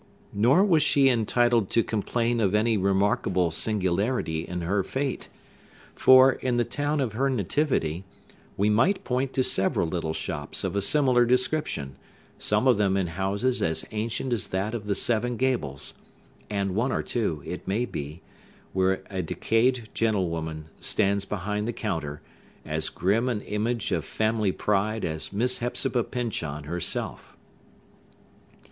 Nor was she entitled to complain of any remarkable singularity in her fate; for, in the town of her nativity, we might point to several little shops of a similar description, some of them in houses as ancient as that of the Seven Gables; and one or two, it may be, where a decayed gentlewoman stands behind the counter, as grim an image of family pride as Miss Hepzibah Pyncheon herself.